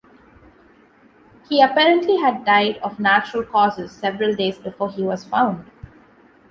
He apparently had died of natural causes several days before he was found.